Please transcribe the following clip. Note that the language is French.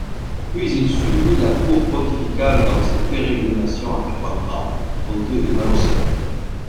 Puis, il suivit la Cour pontificale dans ses pérégrinations à Carpentras, Monteux et Malaucène.